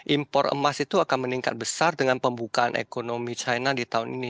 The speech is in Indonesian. impor emas itu akan meningkat besar dengan pembukaan ekonomi china di tahun ini